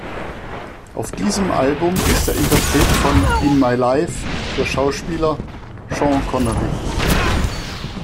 Auf diesem Album ist der Interpret von "In my Life" der Schauspieler Sean Connery.